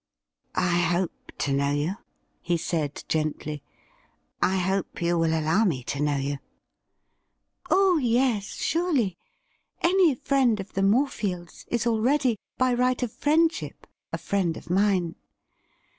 ' I hope to know you,' he said gently. ' I hope you will allow me to know you.' ' Oh yes, surely ! Any friend of the Morefields is already, by right of friendship, a friend of mine.